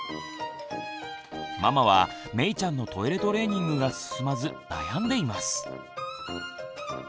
ママはめいちゃんのトイレトレーニングが進まず悩んでいます。